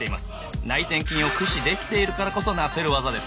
内転筋を駆使できているからこそなせる技です。